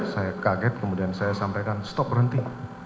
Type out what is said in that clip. saya kaget kemudian saya sampaikan stop berhenti